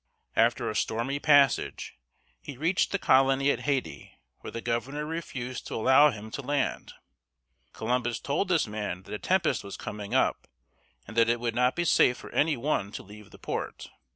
After a stormy passage, he reached the colony at Haiti, where the governor refused to allow him to land. Columbus told this man that a tempest was coming up, and that it would not be safe for any one to leave the port.